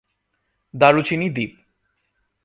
দারুচিনি দ্বীপ